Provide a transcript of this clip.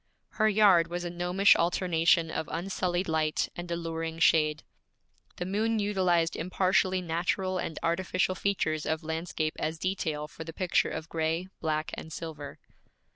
Her yard was a gnomish alternation of unsullied light and alluring shade. The moon utilized impartially natural and artificial features of landscape as detail for the picture of gray, black, and silver.